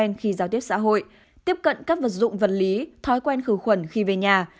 khi giao tiếp xã hội tiếp cận các vật dụng vật lý thói quen khử khuẩn khi về nhà